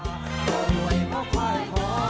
มหาวิทยาลัยสนามบิน